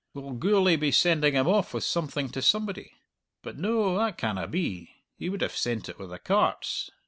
Will Gourlay be sending him off with something to somebody? But no; that canna be. He would have sent it with the carts."